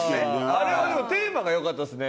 あれはでもテーマが良かったですね。